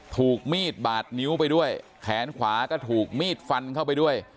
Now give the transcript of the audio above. ถูกมีดบาดนิ้วไปด้วยแขนขวาก็ถูกมีดฟันเข้าไปด้วย